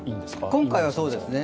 今回はそうですね。